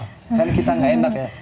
kan kita nggak enak ya